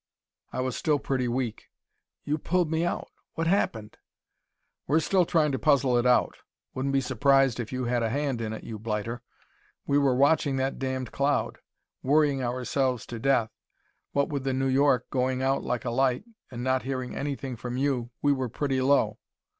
I was still pretty weak. "You pulled me out. What happened?" "We're still trying to puzzle it out. Wouldn't be surprised if you had a hand in it, you blighter. We were watching that damned cloud, worrying ourselves to death. What with the New York going out like a light, and not hearing anything from you, we were pretty low.